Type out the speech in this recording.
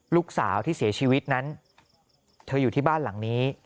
ลูกสาวที่เสียชีวิตนั้นเธออยู่ที่บ้านหลังนี้